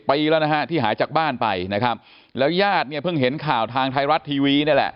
ปีแล้วนะฮะที่หายจากบ้านไปนะครับแล้วญาติเนี่ยเพิ่งเห็นข่าวทางไทยรัฐทีวีนี่แหละ